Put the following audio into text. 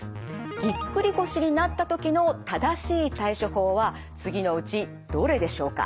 ぎっくり腰になった時の正しい対処法は次のうちどれでしょうか？